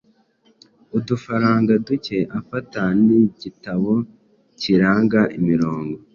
udufaranga duke, afata n’igitabo kiranga imirongo